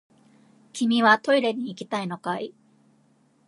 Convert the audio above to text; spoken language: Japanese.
君はトイレに行きたいのかい？